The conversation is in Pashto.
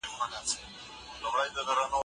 هغوی به په هغه وخت کې په لاره روان وي.